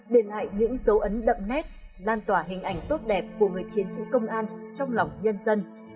để lại những dấu ấn đậm nét lan tỏa hình ảnh tốt đẹp của người chiến sĩ công an trong lòng nhân dân